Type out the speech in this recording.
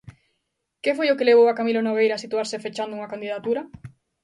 Que foi o que levou a Camilo Nogueira a situarse fechando unha candidatura?